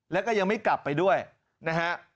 แล้วก็ยังไม่กลับไปด้วยนะฮะ